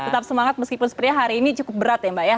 tetap semangat meskipun sepertinya hari ini cukup berat ya mbak ya